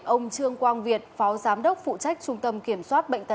ông trương quang việt phó giám đốc phụ trách trung tâm kiểm soát bệnh tật